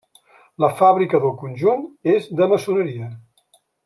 La fàbrica del conjunt és de maçoneria.